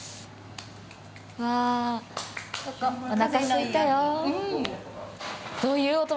わあおなかすいたよ。